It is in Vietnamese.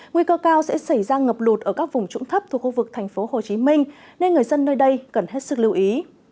nguy cơ cao sẽ xảy ra ngập lụt ở các vùng trũng thấp thuộc khu vực tp hcm nên người dân nơi đây cần hết sức lưu ý